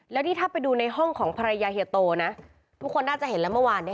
แล้วนี่ถ้าไปดูในห้องของภรรยาเฮียโตนะทุกคนน่าจะเห็นแล้วเมื่อวาน